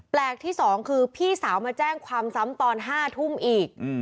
ที่๒คือพี่สาวมาแจ้งความซ้ำตอน๕ทุ่มอีก